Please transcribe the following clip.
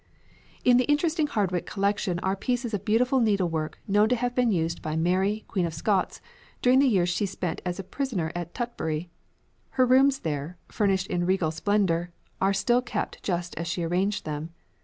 In the interesting Hardwick collection are pieces of beautiful needlework known to have been used by Mary, Queen of Scots, during the years she spent as a prisoner at Tutbury. Her rooms there, furnished in regal splendour, are still kept just as she arranged them.